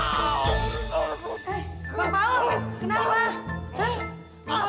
yang diurut ini bukan saya